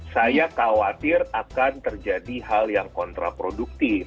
saya khawatir akan terjadi hal yang kontraproduktif